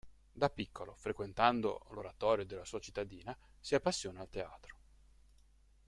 Da piccolo, frequentando l'oratorio della sua cittadina, si appassiona al teatro.